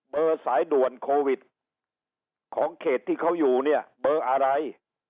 สายด่วนโควิดของเขตที่เขาอยู่เนี่ยเบอร์อะไร